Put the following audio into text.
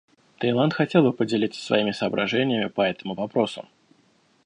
Таиланд хотел бы поделиться своими соображениями по этому вопросу.